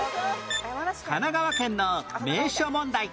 神奈川県の名所問題